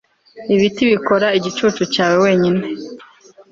ibiti bikora igicucu cyawe wenyine